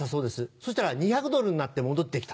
そしたら２００ドルになって戻って来た。